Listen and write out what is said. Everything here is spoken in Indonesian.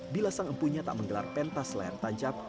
bila sang empunya tak menggelar pentas layar tancap